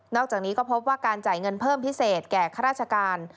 อกจากนี้ก็พบว่าการจ่ายเงินเพิ่มพิเศษแก่ข้าราชการ